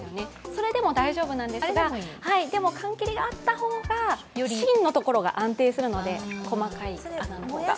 それでも大丈夫なんですがでも缶切りがあった方が芯の部分が安定するので、細かい穴の方が。